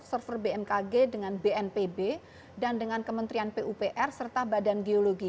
server bmkg dengan bnpb dan dengan kementerian pupr serta badan geologi